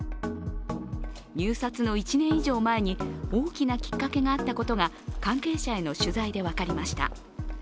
入札の１年以上前に大きなきっかけがあったことが関係者への取材で分かりました。